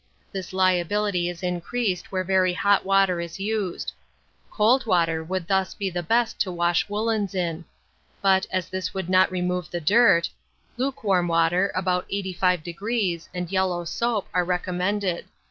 This liability is increased where very hot water is used: cold water would thus be the best to wash woollens in; but, as this would not remove the dirt, lukewarm water, about 85°, and yellow soap, are recommended.